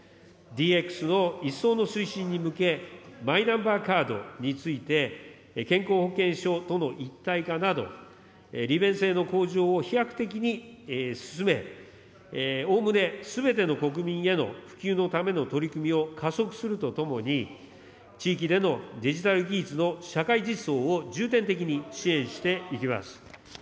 ＤＸの一層の推進に向け、マイナンバーカードについて、健康保険証との一体化など、利便性の向上を飛躍的に進め、おおむねすべての国民への普及のための取り組みを加速するとともに、地域でのデジタル技術の社会実装を重点的に支援していきます。